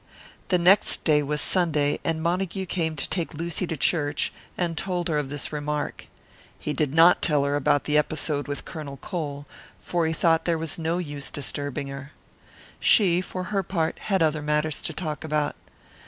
The next day was Sunday, and Montague came to take Lucy to church, and told her of this remark. He did not tell her about the episode with Colonel Cole, for he thought there was no use disturbing her. She, for her part, had other matters to talk about.